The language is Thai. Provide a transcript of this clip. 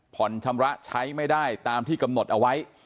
ชำระใช้ไม่ได้ตามที่กำหนดเอาไว้